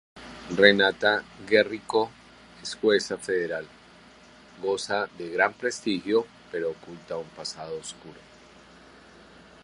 Renata Guerrico es jueza federal, goza de gran prestigio, pero oculta un pasado oscuro.